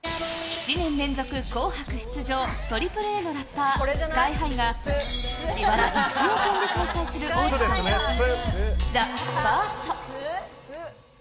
７年連続『紅白』出場、ＡＡＡのラッパーＳＫＹ−ＨＩが自腹１億円で開催するオーディション、ＴＨＥＦＩＲＳＴ。